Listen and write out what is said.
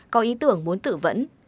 có ý tưởng muốn tự vẫn